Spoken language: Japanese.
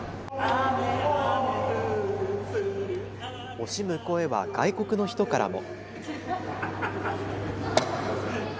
惜しむ声は外国の人からも。